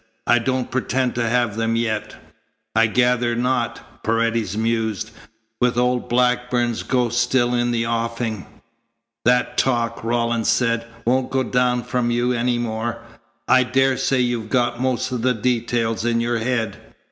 "I don't pretend to have them yet." "I gather not," Paredes mused, "with old Blackburn's ghost still in the offing." "That talk," Rawlins said, "won't go down from you any more. I daresay you've got most of the details in your head."